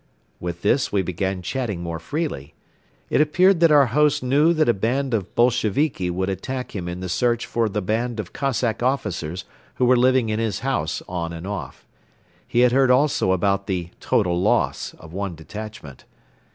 With this we began chatting more freely. It appeared that our host knew that a band of Bolsheviki would attack him in the search for the band of Cossack officers who were living in his house on and off. He had heard also about the "total loss" of one detachment.